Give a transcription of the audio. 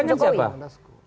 menurut anda yang pengen siapa